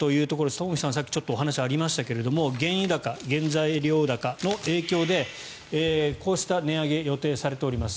東輝さんからさっきお話がありましたが原油高、原材料高の影響でこうした値上げ予定されております。